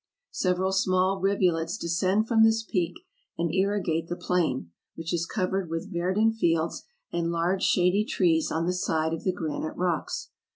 Several small rivulets descend from this peak and irrigate the plain, which is covered with verdant fields and large shady trees on the side of the granite rocks.